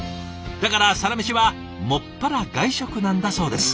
だからサラメシは専ら外食なんだそうです。